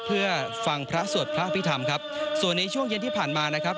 เพื่อฟังพระสวดพระอภิษฐรรมครับส่วนในช่วงเย็นที่ผ่านมานะครับ